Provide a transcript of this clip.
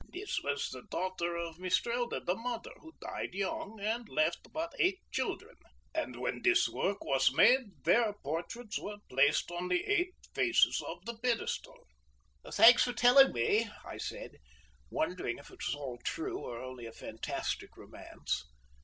This was the daughter of Mistrelde, the Mother, who died young and left but eight children; and when this work was made their portraits were placed on the eight faces of the pedestal." "Thanks for telling me," I said, wondering if it was all true, or only a fantastic romance.